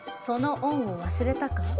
その恩を忘れたか？